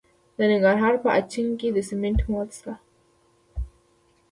د ننګرهار په اچین کې د سمنټو مواد شته.